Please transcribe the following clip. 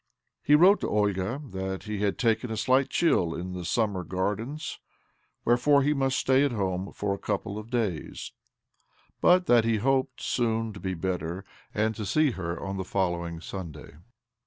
He wrote to Olga that he had taken a slight chill in the Summer Gardens — whete fore he must stay at home for a couple of days ; but that he hoped soon to be better, and to see her on the following Sunday.